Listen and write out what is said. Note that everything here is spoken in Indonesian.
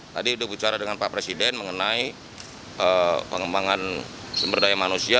tadi sudah bicara dengan pak presiden mengenai pengembangan sumber daya manusia